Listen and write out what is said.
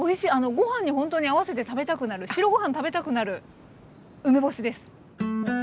ご飯にほんとに合わせて食べたくなる白ご飯食べたくなる梅干しです。